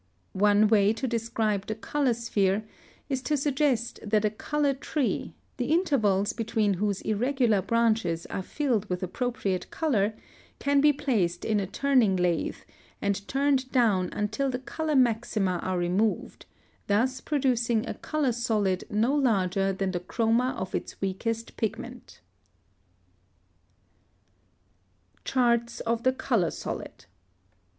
One way to describe the color sphere is to suggest that a color tree, the intervals between whose irregular branches are filled with appropriate color, can be placed in a turning lathe and turned down until the color maxima are removed, thus producing a color solid no larger than the chroma of its weakest pigment (Fig. 2). +Charts of the color solid.